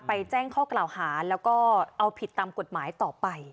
แจ้งข้อกล่าวหาแล้วก็เอาผิดตามกฎหมายต่อไป